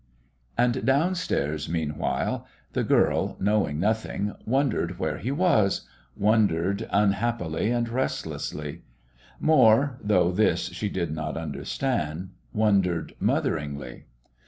And downstairs, meanwhile, the girl, knowing nothing, wondered where he was, wondered unhappily and restlessly; more though this she did not understand wondered motheringly.